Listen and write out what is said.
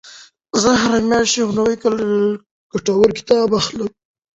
زه هره میاشت یو نوی ګټور کتاب اخلم.